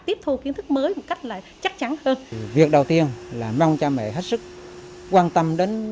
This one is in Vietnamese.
tiếp thu kiến thức mới một cách chắc chắn hơn việc đầu tiên là mong cha mẹ hết sức quan tâm đến